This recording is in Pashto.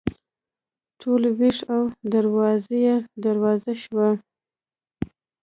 ټول ویښ او دروازې، دروازې شوه